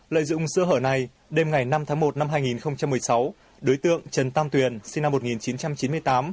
lợi dụng sơ hở này đêm ngày năm tháng một năm hai nghìn một mươi sáu đối tượng trần tam tuyền sinh năm một nghìn chín trăm chín mươi tám